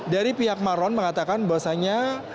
dari pihak marlon mengatakan bahwasanya